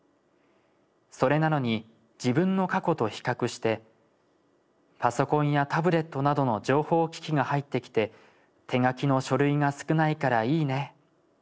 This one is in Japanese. それなのに自分の過去と比較して『パソコンやタブレットなどの情報機器が入ってきて手書きの書類が少ないからいいね』